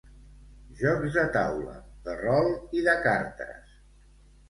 Jocs de taula, de rol i de cartes.